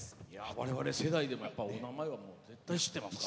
我々世代でもお名前は知ってますからね。